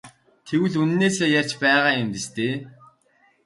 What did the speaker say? Тэгвэл үнэнээсээ ярьж байгаа юм биз дээ?